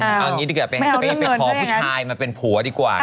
เอางี้ดีกว่าไปขอผู้ชายมาเป็นผัวดีกว่า